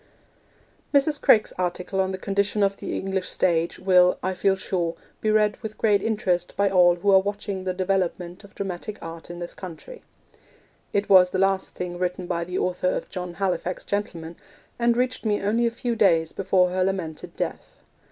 Mrs. Craik's article on the condition of the English stage will, I feel sure, be read with great interest by all who are watching the development of dramatic art in this country. It was the last thing written by the author of John Halifax, Gentleman, and reached me only a few days before her lamented death.